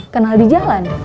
kenal di jalan